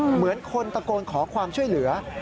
เหมือนคนตะโกนขอความช่วยเหลือ